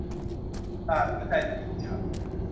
รหัสหัวใจ - กิ่งฉัตร